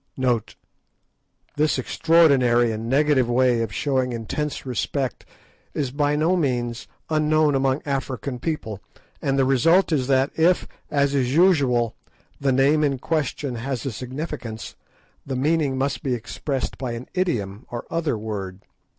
This extraordinary and negative way of showing intense respect is by no means unknown among African people, and the result is that if, as is usual, the name in question has a significance, the meaning must be expressed by an idiom or other word.